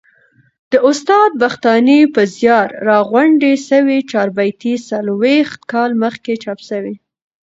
د استاد بختاني په زیار راغونډي سوې چاربیتې څلوبښت کال مخکي چاپ سوې.